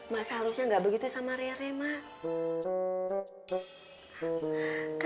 mak seharusnya ga begitu sama rere mak